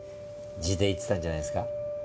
地でいってたんじゃないですか？